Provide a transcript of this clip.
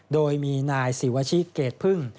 โดยมีนายศิวชิเกรดพึ่ง